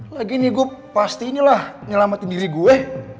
lagini gue pastinya lah nyelamatin diri gue